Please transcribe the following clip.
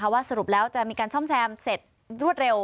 ว่าสรุปแล้วจะมีการซ่อมแซมเสร็จรวดเร็ว